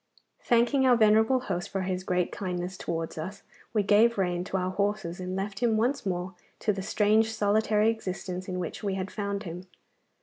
Thanking our venerable host for his great kindness towards us we gave rein to our horses, and left him once more to the strange solitary existence in which we had found him.